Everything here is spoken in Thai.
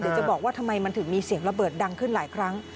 จะบอกว่าทำไมมันถึงมีเสียงระเบิดดังขึ้นหลายครั้ง